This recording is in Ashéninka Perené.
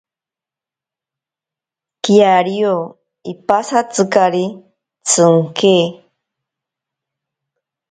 Kiario ipasatzikari tsinke.